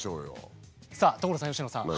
さあ所さん佳乃さん。